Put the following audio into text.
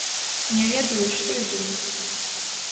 Не ведаю, што і думаць.